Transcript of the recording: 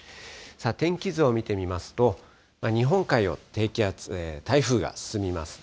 天気図を見てみますと、日本海を台風が進みます。